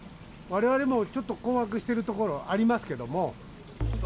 われわれもちょっと困惑してるところありますけれども。